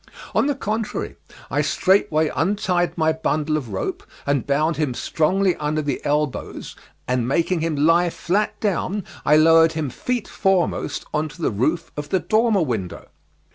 On the contrary, I straightway untied my bundle of rope and bound him strongly under the elbows, and making him lie flat down I lowered him feet foremost on to the roof of the dormer window.